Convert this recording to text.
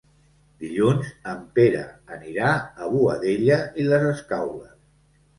Dilluns en Pere anirà a Boadella i les Escaules.